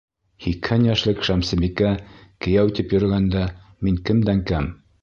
Һикһән йәшлек Шәмсебикә «кейәү» тип йөрөгәндә, мин кемдән кәм?